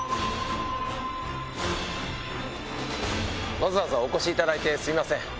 わざわざお越しいただいてすいません。